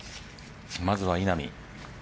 まずは稲見。